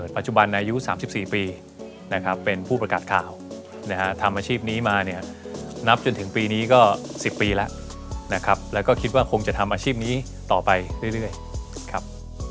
เป็นผู้ประกาศข่าวทำอาชีพนี้มาเนี่ยนับจนถึงปีนี้ก็๑๐ปีแล้วนะครับแล้วก็คิดว่าคงจะทำอาชีพนี้ต่อไปเรื่อยครับ